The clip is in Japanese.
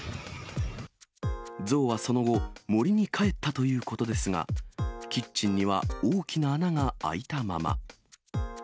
象はその後、森に帰ったということですが、キッチンには大きな穴が開いたまま。